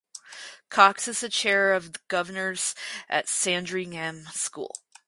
Cox is the Chair of Governors at Sandringham School.